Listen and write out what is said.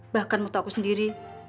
bahkan waktu aku sendiri